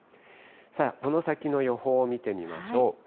さあ、この先の予報を見てみましょう。